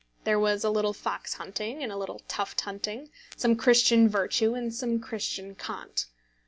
There was a little fox hunting and a little tuft hunting, some Christian virtue and some Christian cant.